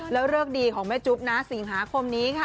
แล้วเลิกดีของแม่จุ๊บนะสิงหาคมนี้ค่ะ